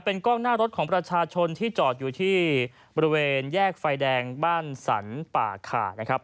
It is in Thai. เป็นกล้องหน้ารถของประชาชนที่จอดอยู่ที่บริเวณแยกไฟแดงบ้านสรรป่าขานะครับ